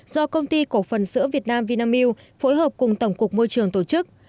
do công ty cổ phần sữa việt nam vinamilk phối hợp cùng tổng cục môi trường tổ chức